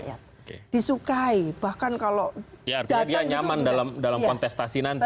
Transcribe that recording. jadi dia nyaman dalam kontestasi nanti